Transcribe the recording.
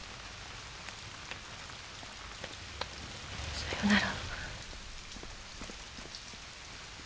さよなら。